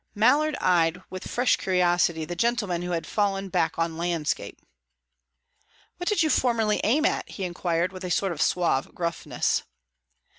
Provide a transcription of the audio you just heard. Mallard eyed with fresh curiosity the gentleman who had "fallen back on landscape." "What did you formerly aim at?" he inquired, with a sort of suave gruffness.